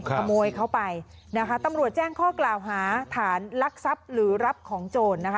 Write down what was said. ขโมยเขาไปนะคะตำรวจแจ้งข้อกล่าวหาฐานลักทรัพย์หรือรับของโจรนะคะ